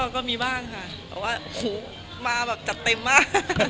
ก็มีบ้างค่ะแต่ว่ามาแบบจัดเต็มมาก